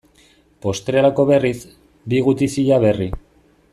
Postrerako berriz, bi gutizia berri.